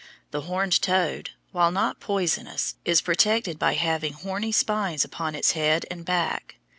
The horned toad, while not poisonous, is protected by having horny spines upon its head and back.